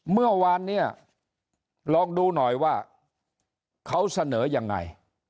เมื่อวานเนี่ยลองดูหน่อยว่าเขาเสนอยังไง